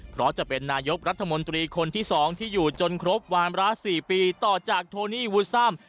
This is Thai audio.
เพราะจะเป็นนายกรัฐมนตรีคนที่๒ที่อยู่จนครบวามรา๔ปีต่อจากโทนี่วูซัม